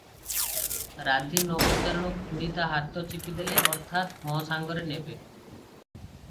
ରାଧୀ ନ ପଚାରୁଣୁ ଖୁଡ଼ି ତା ହାତ ଚିପିଦେଲେ - ଅର୍ଥାତ, ହଁ ସାଙ୍ଗରେ ନେବେ ।